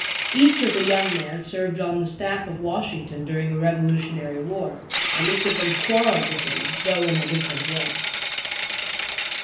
Each as a young man served on the staff of Washington during the Revolutionary War, and each of them quarreled with him, though in a different way.